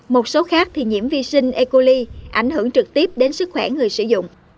một số khác thì nhiễm vi sinh e coli ảnh hưởng trực tiếp đến sức khỏe người sử dụng